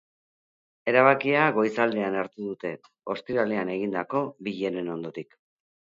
Erabakia goizaldean hartu dute, ostiralean egindako bileren ondotik.